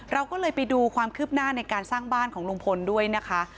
เราก็เลยไปดูความคืบหน้าในการสร้างบ้านของลุงพลด้วยนะคะ